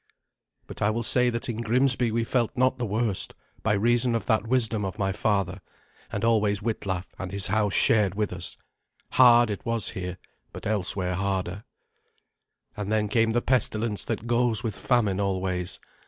But I will say that in Grimsby we felt not the worst, by reason of that wisdom of my father, and always Witlaf and his house shared with us. Hard it was here, but elsewhere harder. And then came the pestilence that goes with famine always.